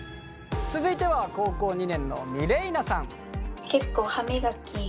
続いては高校２年のミレイナさん。